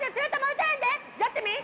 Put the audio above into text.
やってみ！